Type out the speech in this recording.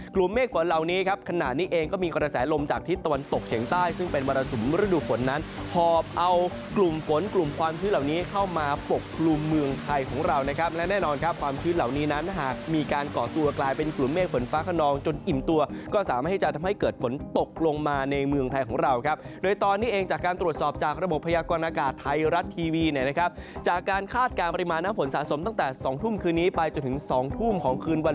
กลุ่มเมฆฝนเหล่านี้ครับขนาดนี้เองก็มีการแสลมลมจากที่ตะวันตกเฉียงใต้ซึ่งเป็นวรสุมฤดูฝนนั้นพอเอากลุ่มฝนกลุ่มความชื่นเหล่านี้เข้ามาปกปรุงเมืองไทยของเรานะครับและแน่นอนครับความชื่นเหล่านี้นั้นหากมีการก่อตัวกลายเป็นกลุ่มเมฆฝนฟ้าขนองจนอิ่มตัวก็สามารถให้จะทำให้เกิดฝนตก